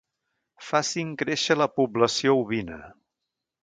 Facin créixer la població ovina.